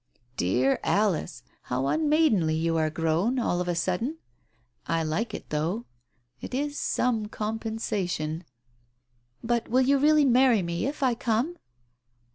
"Dear Alice, how unmaidenly you are grown all of a sudden ! I like it, though. It is some compensa tion " "But will you really marry me if I come?"